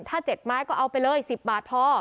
ถ้า๗ไม้ก็เอาไปเลย๑๐บาทพอ